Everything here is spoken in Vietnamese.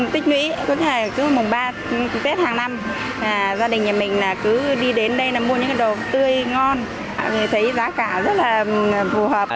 tích nghĩ có thể cứ mùng ba tết hàng năm gia đình nhà mình cứ đi đến đây mua những đồ tươi ngon thấy giá cả rất là phù hợp